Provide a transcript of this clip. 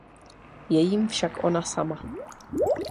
Je jím však ona sama.